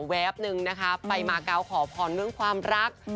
แป๊บนึงนะคะไปมาเกาะขอพรเรื่องความรัก